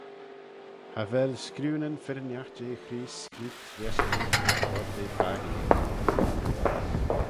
Cha vel screeuyn firrinagh jeh Chreest screeut lesh ink nagh vod ve fakinit.